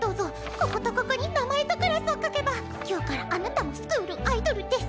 こことここに名前とクラスを書けば今日からあなたもスクールアイドルデス！